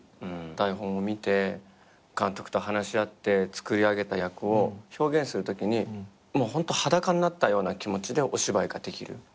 台本を見て監督と話し合って作り上げた役を表現するときにホント裸になったような気持ちでお芝居ができる。